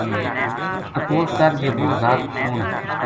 تپوس کر جی وہ ذات کو کون ہے